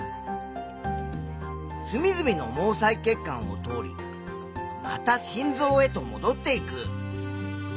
すみずみの毛細血管を通りまた心臓へともどっていく。